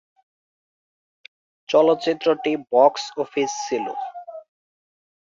চলচ্চিত্রটি box office ছিলো।